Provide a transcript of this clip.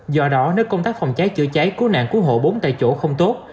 do đó nếu công tác phòng cháy chữa cháy cứu nạn cứu hộ bốn tại chỗ không tốt